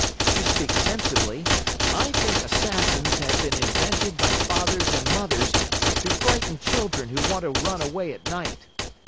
To speak sensibly, I think assassins have been invented by fathers and mothers to frighten children who want to run away at night.